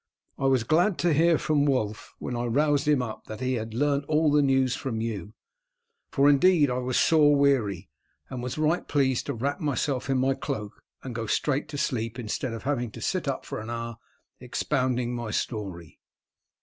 I was glad to hear from Wulf when I roused him up that he had learnt all the news from you, for indeed I was sore weary, and was right pleased to wrap myself in my cloak and go straight to sleep instead of having to sit up for an hour expounding my story."